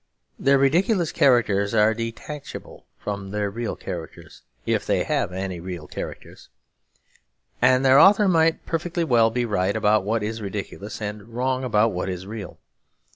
Their ridiculous characters are detachable from their real characters, if they have any real characters. And the author might perfectly well be right about what is ridiculous, and wrong about what is real.